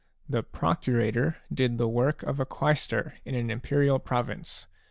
° The procurator did the work of a quaestor in an imperial province.